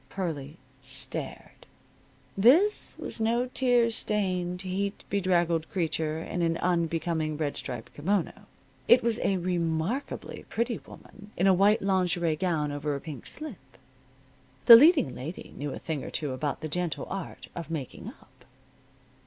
Pearlie stared. This was no tear stained, heat bedraggled creature in an unbecoming red striped kimono. It was a remarkably pretty woman in a white lingerie gown over a pink slip. The leading lady knew a thing or two about the gentle art of making up!